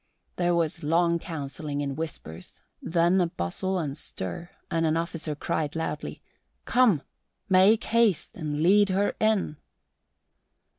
There was long counselling in whispers, then a bustle and stir, and an officer cried loudly, "Come, make haste and lead her in."